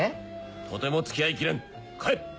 とても付き合いきれん帰る！